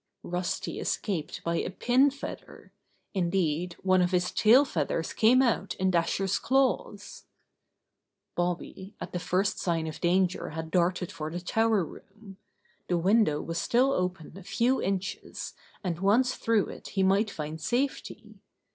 Rusty escaped by a pin feather. Indeed, one of his tail feathers came out in Dasher's claws. 14 Bobby Gray Squirrel's Adventures Bobby at the first sign of danger had darted for the tower room. The window was still open a few inches, and once through it he might find safety.